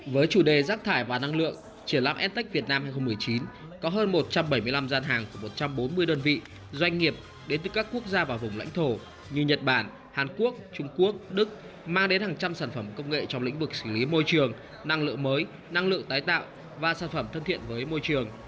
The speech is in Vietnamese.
với chủ đề rác thải và năng lượng triển lãm stech việt nam hai nghìn một mươi chín có hơn một trăm bảy mươi năm gian hàng của một trăm bốn mươi đơn vị doanh nghiệp đến từ các quốc gia và vùng lãnh thổ như nhật bản hàn quốc trung quốc đức mang đến hàng trăm sản phẩm công nghệ trong lĩnh vực xử lý môi trường năng lượng mới năng lượng tái tạo và sản phẩm thân thiện với môi trường